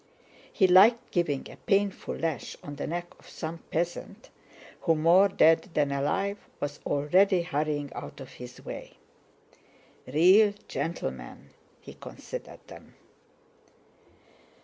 He liked giving a painful lash on the neck to some peasant who, more dead than alive, was already hurrying out of his way. "Real gentlemen!" he considered them.